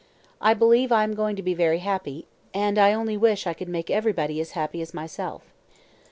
I believe I am going to be very happy, and I only wish I could make everybody as happy as myself.